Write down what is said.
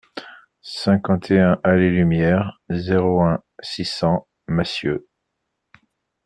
cinquante et un allée Lumière, zéro un, six cents Massieux